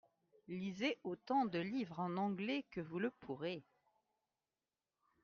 Lisez autant de livres en anglais que vous le pourrez.